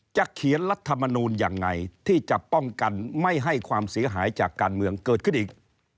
เขียนรัฐมนูลยังไงที่จะป้องกันไม่ให้ความเสียหายจากการเมืองเกิดขึ้นอีก